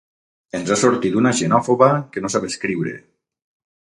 Ens ha sortit una xenòfoba que no sap escriure